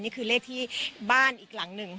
นี่คือเลขที่บ้านอีกหลังหนึ่ง